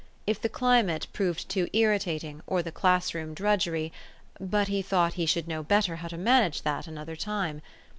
If the climate proved too irritating, or the class room drudgery but he thought he should know better how to manage that another time.